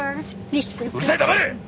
うるさい黙れ！